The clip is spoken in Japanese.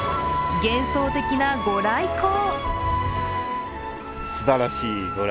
幻想的な御来光。